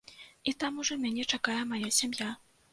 І там ужо мяне чакае мая сям'я.